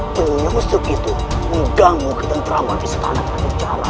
penyusup itu mengganggu tentera mavis tanah penjara